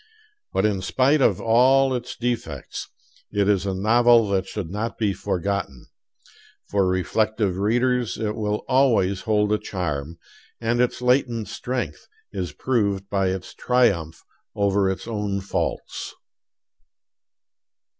But in spite of all its defects it is a novel that should not be forgotten. For reflective readers it will always hold a charm, and its latent strength is proved by its triumph over its own faults.